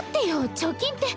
貯金って。